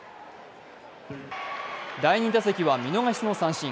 第２打席は見逃しの三振。